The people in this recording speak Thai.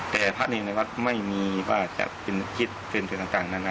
แต่พระเนรในวัดไม่มีว่าจะเป็นคิดเป็นสื่อต่างนานา